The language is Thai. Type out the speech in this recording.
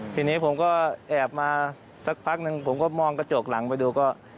ทีนี้ผมก็แอบมาสักพักหนึ่งผมก็มองกระจกหลังไปดูก็